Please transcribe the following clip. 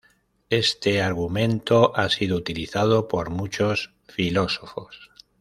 Este argumento ha sido utilizado por muchos filósofos.